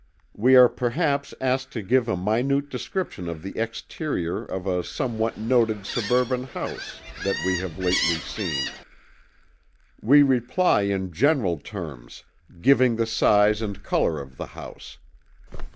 We are perhaps asked to give a minute description of the exterior of a somewhat noted suburban house that we have lately seen. We reply in general terms, giving the size and color of the house.